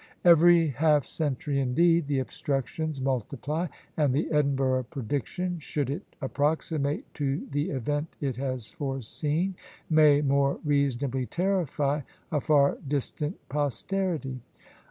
Every half century, indeed, the obstructions multiply; and the Edinburgh prediction, should it approximate to the event it has foreseen, may more reasonably terrify a far distant posterity.